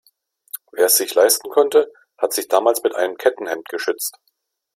Wer es sich leisten konnte, hat sich damals mit einem Kettenhemd geschützt.